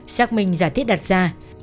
xác minh giải thiết đặt ra